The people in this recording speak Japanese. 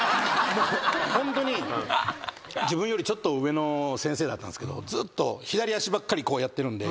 自分よりちょっと上の先生だったんですけどずっと左足ばっかりこうやってるんで。